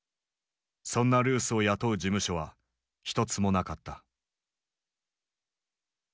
そんなルースを雇う事務所は一つもなかった。